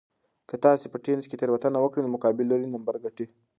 که تاسي په تېنس کې تېروتنه وکړئ نو مقابل لوری نمبر ګټي.